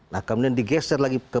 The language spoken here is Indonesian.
nah kemudian digeser lagi ke